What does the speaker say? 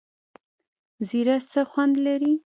زیره څه خوند لري؟